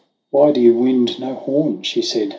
" Why do you wind no horn ?" she said.